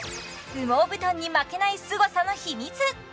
羽毛布団に負けないすごさの秘密